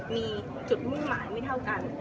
มีจุดมุ่งหมายไม่เท่ากัน